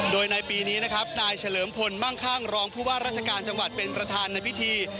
โดยในปีนี้นะครับนายเฉลิมพลมั่งข้างรองผู้ว่าราชการจังหวัดเป็นประธานในพิธี